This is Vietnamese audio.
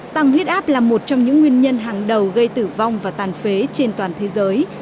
tăng huyết áp là một trong những nguyên nhân hàng đầu gây tử vong và tàn phế trên toàn thế giới